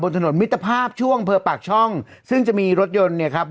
ถนนมิตรภาพช่วงเผลอปากช่องซึ่งจะมีรถยนต์เนี่ยครับ